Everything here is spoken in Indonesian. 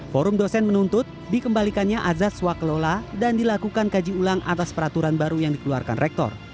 forum dosen menuntut dikembalikannya azaz swaklola dan dilakukan kaji ulang atas peraturan baru yang dikeluarkan rektor